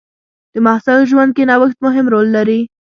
د محصل ژوند کې نوښت مهم رول لري.